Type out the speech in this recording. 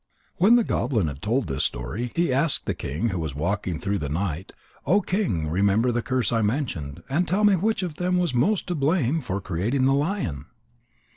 When the goblin had told this story, he asked the king who was walking through the night: "O King, remember the curse I mentioned, and tell me which of them was most to blame for creating the lion?"